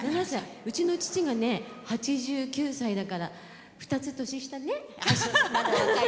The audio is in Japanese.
うちの父が８９歳だから２つ年下ね。